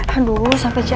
aduh sampai jatuh